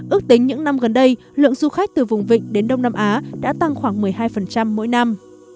ước tính những năm gần đây lượng du khách từ vùng vịnh đến đông nam á đã tăng khoảng một mươi hai mỗi năm